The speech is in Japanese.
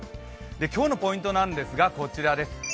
今日のポイントなんですがこちらです。